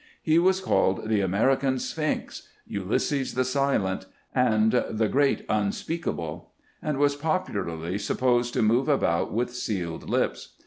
He was called the " American Sphinx," "Ulysses the Silent," and the "Grreat Unspeakable," and was popularly supposed to move about with sealed lips.